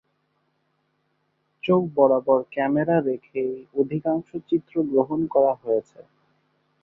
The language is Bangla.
চোখ বরাবর ক্যামেরা রেখেই অধিকাংশ চিত্র গ্রহণ করা হয়েছে।